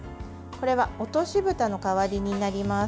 これは落としぶたの代わりになります。